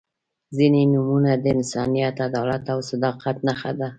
• ځینې نومونه د انسانیت، عدالت او صداقت نښه ده.